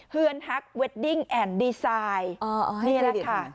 เฮือนฮักเวดดิ่งแอนด์ดีไซน์อ๋ออ๋อให้เครดิต